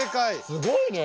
すごいね。